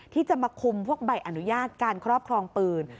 ที่จะมาคุมพวกใบอนุญาตการครอบครองปืน